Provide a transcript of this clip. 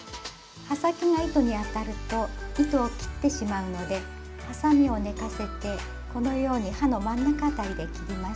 刃先が糸に当たると糸を切ってしまうのではさみを寝かせてこのように刃の真ん中辺りで切ります。